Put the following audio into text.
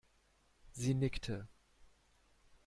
Sie nickte.